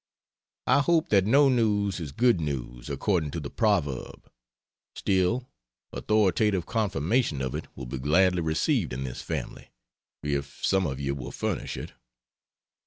I hope that no news is good news, according to the proverb; still, authoritative confirmation of it will be gladly received in this family, if some of you will furnish it.